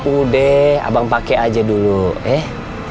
udeh abang pake aja dulu eh